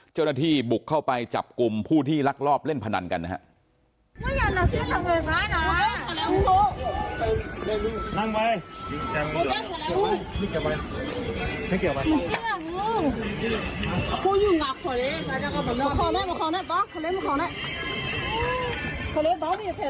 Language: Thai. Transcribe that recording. เจ้าหน้าที่บุกเข้าไปจับกลุ่มผู้ที่ลักลอบเล่นพนันกันนะครับ